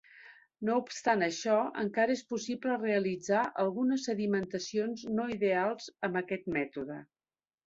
No obstant això, encara és possible realitzar algunes sedimentacions no ideals amb aquest mètode.